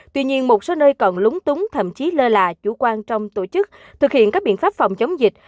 tuy nhiên một số nơi còn lúng túng thậm chí lơ là chủ quan trong tổ chức thực hiện các biện pháp phòng chống dịch